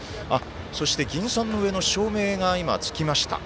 そして、銀傘の上の照明が今、つきました。